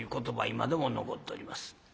今でも残っとります。